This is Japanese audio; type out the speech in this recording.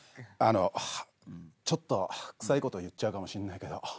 あのちょっとくさいこと言っちゃうかもしんないけど。